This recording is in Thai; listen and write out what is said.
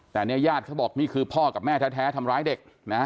แต่เนี่ยญาติเขาบอกนี่คือพ่อกับแม่แท้ทำร้ายเด็กนะ